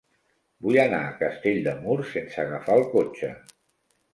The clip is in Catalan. Vull anar a Castell de Mur sense agafar el cotxe.